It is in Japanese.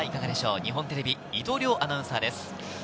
日本テレビ・伊藤遼アナウンサーです。